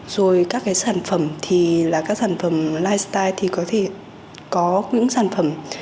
rồi các cái sản phẩm thì là các sản phẩm lifestyle thì có thể có những sản phẩm